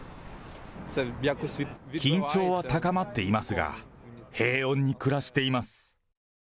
緊張は高まっていますが、平穏に暮らしています。